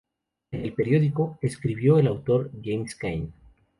En el periódico, escribió el autor James Cain.